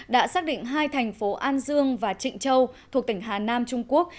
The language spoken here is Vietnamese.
đã xác định hai thành phố an dương và trịnh châu thuộc tỉnh hà nam trung quốc